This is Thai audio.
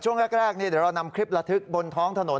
ช่วงแรกเดี๋ยวเรานำคลิประทึกบนท้องถนน